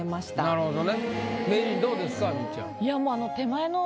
なるほど。